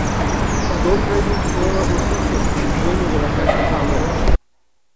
Dol trae nuevas noticias: el dueño de la casa ha vuelto.